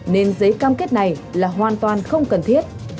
nên giấy cam kết này là hoàn toàn không cần thiết